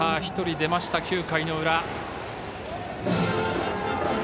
１人出ました、９回の裏。